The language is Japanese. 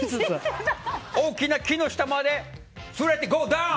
大きな木の下まで連れてゴーダウン！